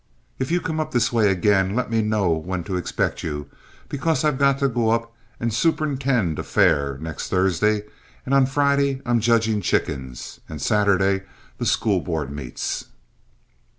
If you come up this way again let me know when to expect you, because I've got to go up and superintend a fair next Thursday, and on Friday I'm judging chickens, and Saturday the school board meets."